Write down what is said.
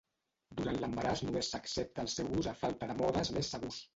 Durant l'embaràs només s'accepta el seu ús a falta de modes més segurs.